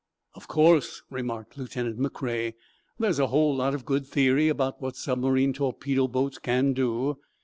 "Of course," remarked Lieutenant MeCrea, "there's a whole lot of good theory about what submarine torpedo boats can do.